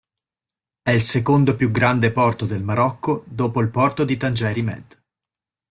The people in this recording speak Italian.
È il secondo più grande porto del Marocco, dopo il porto di Tangeri Med.